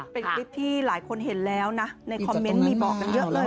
เป็นคลิปที่หลายคนเห็นแล้วนะในคอมเมนต์มีบอกกันเยอะเลย